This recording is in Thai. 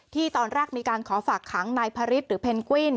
ที่ตอนแรกมีการขอฝากหังนายภริชร์หรือเพนกวิ้น